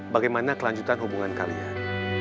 bagaimana kelanjutan hubungan kalian